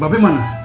ba be mana